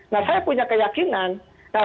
nah saya punya keyakinan